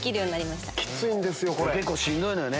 結構しんどいのよね。